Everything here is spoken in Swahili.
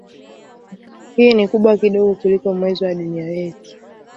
Hii ni kubwa kidogo kuliko Mwezi wa Dunia yetu.